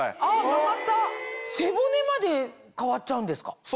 あっ曲がった背骨まで変わっちゃうんですか？